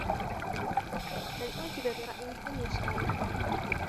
مَنْ أُعْجِبَ بِرَأْيِهِ لَمْ يُشَاوِرْ